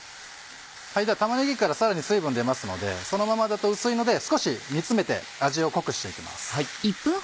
玉ねぎからさらに水分出ますのでそのままだと薄いので少し煮詰めて味を濃くしていきます。